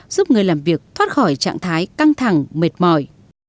giúp người làm việc thoát khỏi trạng thái căng thẳng mệt mỏi